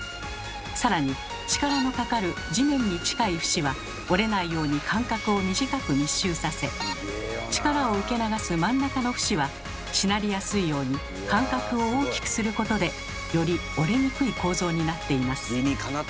更に力のかかる「地面に近い節」は折れないように間隔を短く密集させ力を受け流す「真ん中の節」はしなりやすいように間隔を大きくすることでより折れにくい構造になっています。